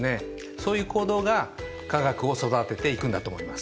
そういう行動が化学を育てていくんだと思います。